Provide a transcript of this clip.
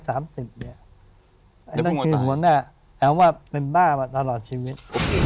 นั่งคืนหัวหน้าแหละว่าเป็นบ้าปะตลอดชีวิต